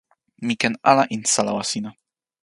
mi ken ala insa lawa sina